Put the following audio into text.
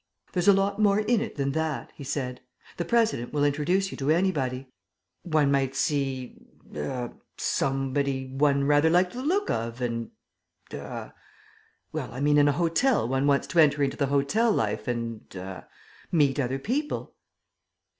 "There's a lot more in it than that," he said. "The President will introduce you to anybody. One might see er somebody one rather liked the look of, and er Well, I mean in an hotel one wants to enter into the hotel life and er meet other people."